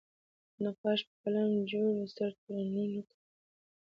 د نقاش په قلم جوړ وو سر ترنوکه